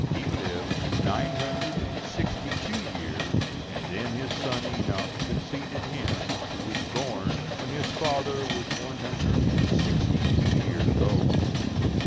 He lived nine hundred and sixty two years; and then his son Enoch succeeded him, who was born when his father was one hundred and sixty two years old.